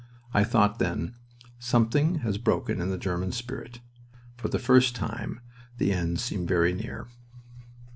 I thought then, "Something has broken in the German spirit." For the first time the end seemed very near.